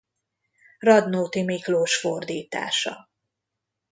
Radnóti Miklós fordítása.